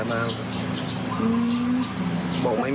เขามาออกมาลากแล้วก็ถุกกันออกไปเลย